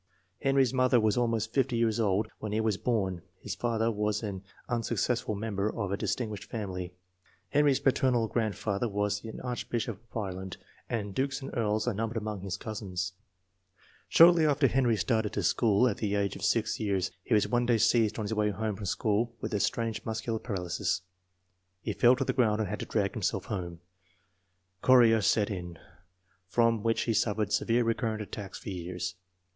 Henry's mother was almost 50 years old when he was born. His father was an unsuccessful member of a distinguished family. Henry's paternal grand father was an Archbishop of Ireland, and dukes and earls are numbered among his cousins. 248 INTELLIGENCE OF SCHOOL CHILDREN Shortly after Henry started to school, at the age of 6 years, he was one day seized on his way home from school with a strange muscular paralysis. He fell to the ground and had to drag himself home. Chorea set in, from which he suffered severe recurrent attacks for years.